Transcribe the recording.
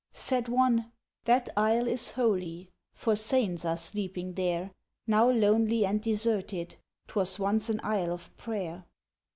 Said one, "That Isle is holy, For Saints are sleeping there, Now lonely and deserted, T'was once an Isle of prayer."